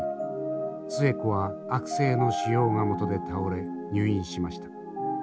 寿衛子は悪性の腫瘍がもとで倒れ入院しました。